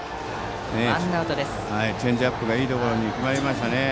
チェンジアップがいいところに決まりましたね。